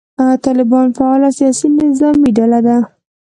طالبان فعاله سیاسي نظامي ډله ده.